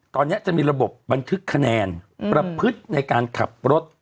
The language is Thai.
ตอนนี้จะมีระบบบันทึกคะแนนประพฤติในการขับรถ